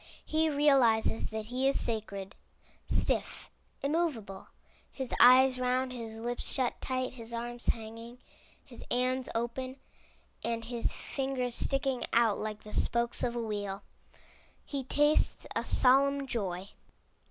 He realizes that he is sacred. Stiff, immovable, his eyes round, his lips shut tight, his arms hanging, his hands open and his fingers sticking out like the spokes of a wheel, he tastes a solemn joy.